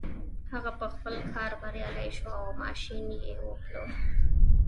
هغه په خپل کار بريالی شو او ماشين يې وپلوره.